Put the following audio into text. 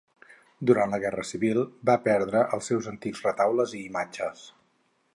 Durant la Guerra Civil va perdre els seus antics retaules i imatges.